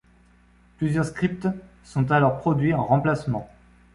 Plusieurs scripts sont alors produits en remplacement.